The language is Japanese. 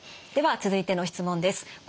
では続いての質問です。